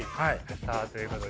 さあということで。